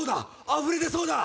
あふれ出そうだ！